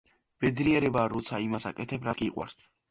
ბედნიერებაა, როცა იმას აკეთებ, რაც გიყვარს.